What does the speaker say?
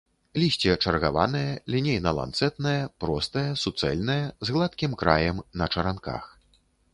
Лісце чаргаванае, лінейна-ланцэтнае, простае, суцэльнае, з гладкім краем, на чаранках.